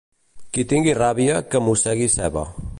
Qui tingui ràbia, que mossegui ceba.